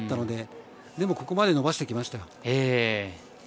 でも、ここまで伸ばしましたよ。